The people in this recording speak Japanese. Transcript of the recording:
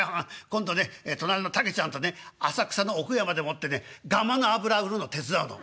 今度ねとなりの竹ちゃんとね浅草の奥山でもってねガマの油売るの手伝うの。